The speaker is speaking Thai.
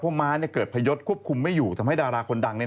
เพราะม้าเกิดพยศควบคุมไม่อยู่ทำให้ดาราคนดัง